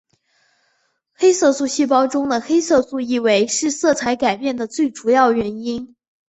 黑色素细胞中的黑色素易位是色彩改变的最主要原因。